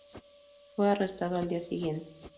Fue arrestado al día siguiente.